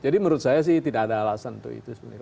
jadi menurut saya sih tidak ada alasan untuk itu sebenarnya